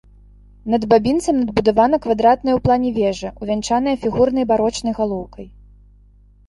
Над бабінцам надбудавана квадратная ў плане вежа, увянчаная фігурнай барочнай галоўкай.